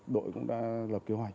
đội cũng đã lập kế hoạch